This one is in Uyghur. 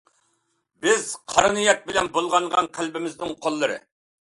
بىز قارا نىيەت بىلەن بۇلغانغان قەلبىمىزنىڭ قۇللىرى.